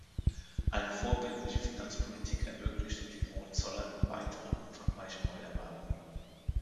Eine vorbildliche Finanzpolitik ermöglichte den Hohenzollern weitere umfangreiche Neuerwerbungen.